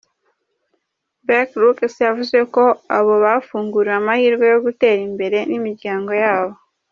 Bark-Ruggles yavuze ko abo bafunguriwe amahirwe yo gutera imbere n’imiryango yabo.